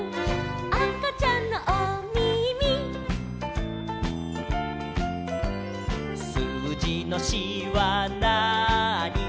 「あかちゃんのおみみ」「すうじの４はなーに」